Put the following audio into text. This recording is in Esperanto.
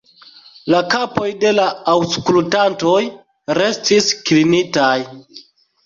La kapoj de la aŭskultantoj restis klinitaj.